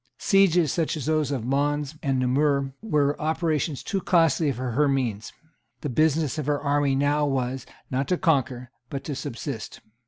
Sieges such as those of Mons and Namur were operations too costly for her means. The business of her army now was, not to conquer, but to subsist.